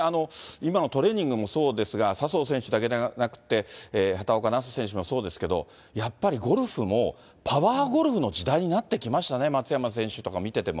今のトレーニングもそうですが、笹生選手だけでなくて、畑岡菜紗選手もそうですけど、やっぱりゴルフも、パワーゴルフの時代になってきましたね、松山選手とか見てても。